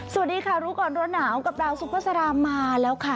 สวัสดีค่ะรู้ก่อนร้อนหนาวกับดาวซุภาษามาแล้วค่ะ